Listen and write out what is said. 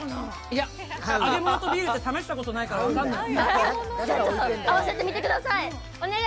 いや、揚げ物とビールって合わせたことないから分からない。